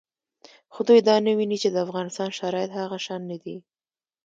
خو دوی دا نه ویني چې د افغانستان شرایط هغه شان نه دي